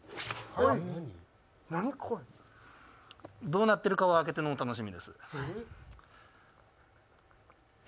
どうなってるかは開けてのお楽しみです。